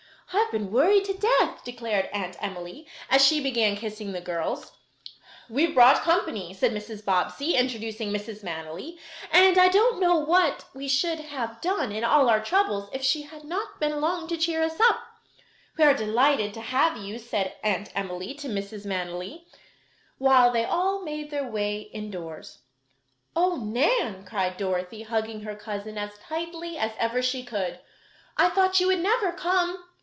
"I've been worried to death," declared Aunt Emily, as she began kissing the girls. "We have brought company," said Mrs. Bobbsey, introducing Mrs. Manily, "and I don't know what we should have done in all our troubles if she had not been along to cheer us up." "We are delighted to have you," said Aunt Emily to Mrs. Manily, while they all made their way indoors. "Oh, Nan!" cried Dorothy, hugging her cousin as tightly as ever she could, "I thought you would never come!"